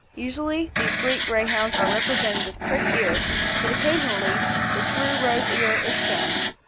Usually these Greek Greyhounds are represented with prick ears, but occasionally the true rose ear is shown.